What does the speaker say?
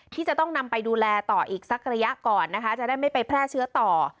ที่จะต้องนำไปดูแลต่ออีกสักระยะก่อนนะคะจะได้ไม่ไปแพร่เชื้อต่อ